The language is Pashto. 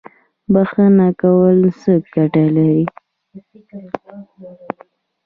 بخښنه کول څه ګټه لري؟